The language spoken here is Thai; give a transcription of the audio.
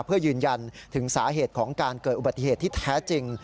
เพื่อยืนยันถึงสาเหตุของการเกิดอุบัติเหตุที่แท้จริง